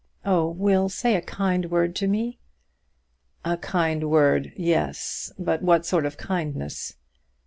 Oh, Will, say a kind word to me!" "A kind word; yes, but what sort of kindness?"